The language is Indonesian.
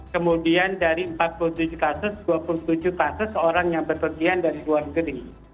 kemudian dari empat puluh tujuh kasus dua puluh tujuh kasus orang yang berpergian dari luar negeri